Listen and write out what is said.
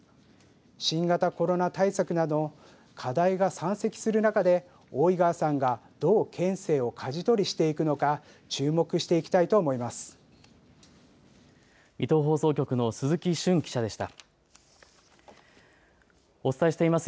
新型コロナウイルス対策などの課題が山積する中で大井川さんが、どう県政をかじ取りしていくのか注目していきたいと思います。